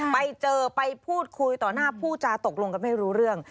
ไปเจอไปพูดคุยต่อหน้าผู้จาตกลงกันไม่รู้เรื่อง